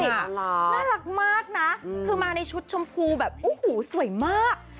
น่ารักมากนะคือมาในชุดชมพูแบบโอ้โหสวยมาก